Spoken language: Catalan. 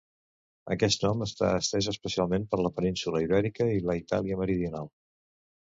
Aquest nom està estès especialment per la península Ibèrica i la Itàlia meridional.